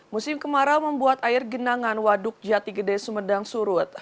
musim kemarau membuat air genangan waduk jati gede sumedang surut